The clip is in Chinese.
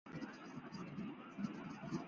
坚决反对堕胎。